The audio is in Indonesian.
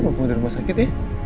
mumpung rumah sakit ya